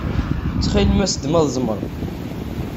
Ttxil-m as-d ma tzemreḍ.